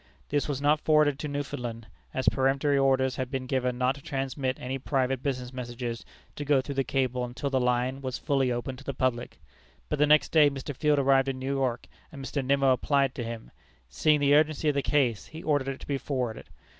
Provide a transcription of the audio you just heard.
This was not forwarded to Newfoundland, as peremptory orders had been given not to transmit any private business messages to go through the cable until the line was fully open to the public. But the next day Mr. Field arrived in New York, and Mr. Nimmo applied to him. Seeing the urgency of the case, he ordered it to be forwarded.